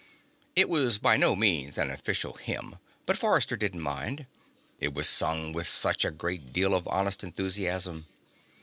_" It was by no means an official hymn, but Forrester didn't mind; it was sung with such a great deal of honest enthusiasm.